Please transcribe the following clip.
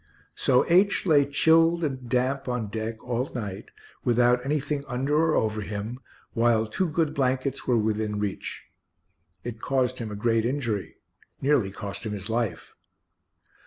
So H. lay chilled and damp on deck all night, without anything under or over him, while two good blankets were within reach. It caused him a great injury nearly cost him his life.